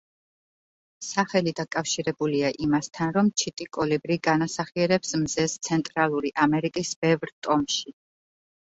სახელი დაკავშირებულია იმასთან, რომ ჩიტი კოლიბრი განასახიერებს მზეს ცენტრალური ამერიკის ბევრ ტომში.